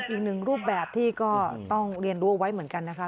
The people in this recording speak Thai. อีกหนึ่งรูปแบบที่ก็ต้องเรียนรู้เอาไว้เหมือนกันนะคะ